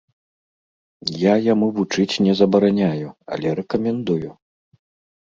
Я яму вучыць не забараняю, але рэкамендую.